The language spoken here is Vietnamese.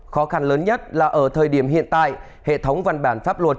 khó khăn lớn nhất là ở thời điểm hiện tại hệ thống văn bản pháp luật